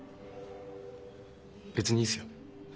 別にいいっすよ。